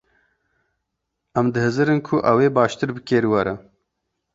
Em dihizirin ku ev ew ê baştir bi kêr were.